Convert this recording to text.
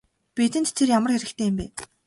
Бидэнд тэр ямар хэрэгтэй юм бэ?